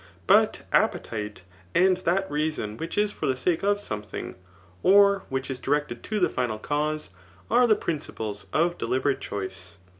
But appe tite, and that reason which is for the sake of something, [or which is directed to the final cause] are the principles of deliberate choice.